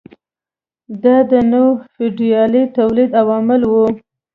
دا د نوي فیوډالي تولید عوامل وو.